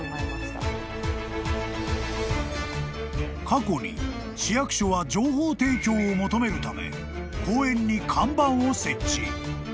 ［過去に市役所は情報提供を求めるため公園に看板を設置］